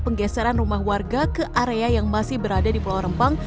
penggeseran rumah warga ke area yang masih berada di pulau rempang